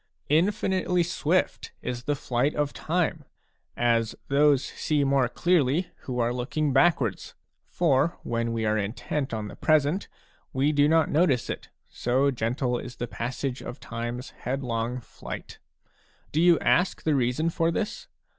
Infinitely swift is the flight of time, as those see more clearly who are looking backwards. For when we are intent on the present, we do not notice it, so gentle is the passage of time's headlong flight. Do you ask the reason for this?